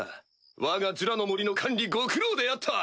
わがジュラの森の管理ご苦労であった！